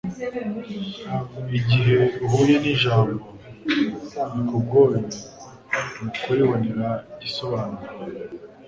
Igihe uhuye n'ijambo rikugoye mu kuribonera igisobanuro,